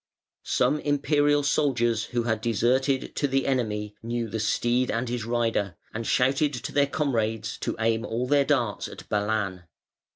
Some Imperial soldiers who had deserted to the enemy knew the steed and his rider, and shouted to their comrades to aim all their darts at Balan.